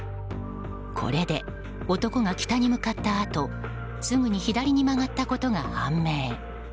これで男が北に向かったあとすぐに左に曲がったことが判明。